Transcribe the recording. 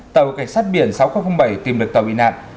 tàu cảnh sát biển sáu nghìn bảy tìm được tàu bị nạn